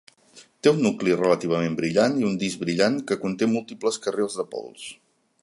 Té un nucli relativament brillant i un disc brillant que conté múltiples carrils de pols.